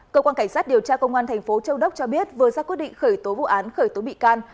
cơ quan cảnh sát điều tra công an thành phố châu đốc cho biết vừa ra quyết định khởi tố vụ án khởi tố bị can